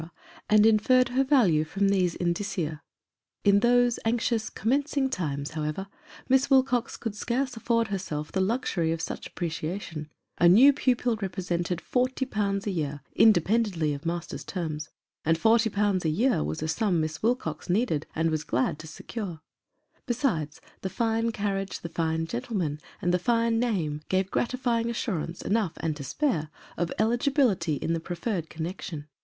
and inferred her value from these indicia. In those anxious commencing times, however, Miss Wilcox could scarce afford herself the luxury of such ap preciation : a new pupil represented forty pounds a year, inde pendently of masters' terms and forty pounds a year was a sum Miss Wilcox needed and was glad to secure ; besides, the fine carriage, the fine gentleman, and the fine name, gave grati fying assurance, enough and to spare, of eligibility in the prof fered connection.